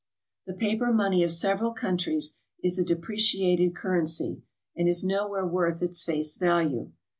The paper money of several countries is a depreciated currency, and is nowhere worth its face value.